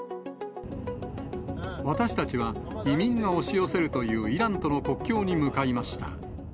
私たちは移民が押し寄せるというイランとの国境に向かいました。